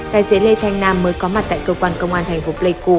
tài xế lê thanh nam mới có mặt tại cơ quan công an thành phố pleiku